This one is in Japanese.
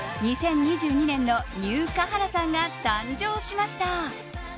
２０２２年のニュー華原さんが誕生しました。